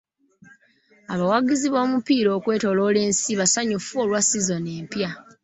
Abawagizi b'omupiira okwetooloola ensi basanyufu olwa sizoni empya.